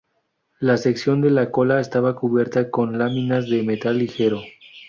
La sección de la cola estaba cubierta con láminas de metal ligero.